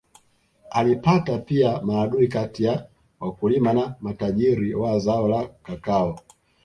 Alipata pia maadui kati ya wakulima na matajiri wa zao la kakao